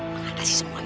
mengatasi semua ini